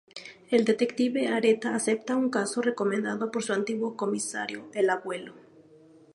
El detective Areta acepta un caso recomendado por su antiguo comisario, el abuelo.